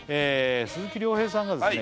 鈴木亮平さんがですね